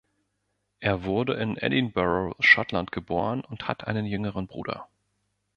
Er wurde in Edinburgh, Schottland, geboren und hat einen jüngeren Bruder.